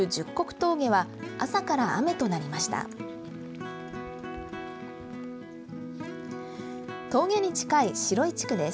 峠に近い白井地区です。